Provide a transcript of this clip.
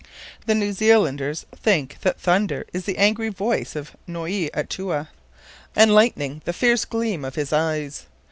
The New Zealanders think that thunder is the angry voice of Noui Atoua, and lightning the fierce gleam of his eyes.